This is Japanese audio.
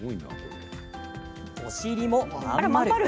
お尻も真ん丸。